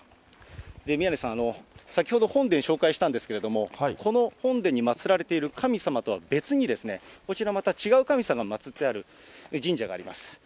宮根さん、先ほど本殿、紹介したんですけれども、この本殿に祭られている神様とは別に、こちら、また、違う神様が祭ってある神社があります。